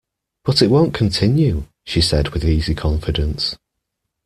But it won't continue, she said with easy confidence.